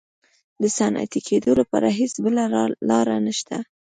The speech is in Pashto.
د صنعتي کېدو لپاره هېڅ بله لار نشته.